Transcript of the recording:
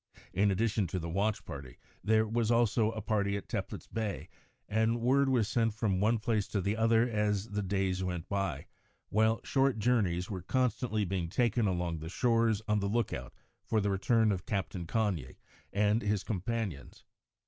In addition to the watch party there was also a party at Teplitz Bay, and word was sent from one place to the other as the days went by, while short journeys were constantly being taken along the shores on the lookout for the return of Captain Cagni and his companions.